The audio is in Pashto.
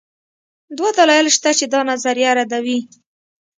دوه دلایل شته چې دا نظریه ردوي